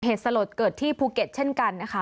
สลดเกิดที่ภูเก็ตเช่นกันนะคะ